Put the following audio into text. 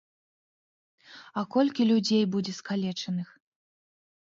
А колькі людзей будзе скалечаных.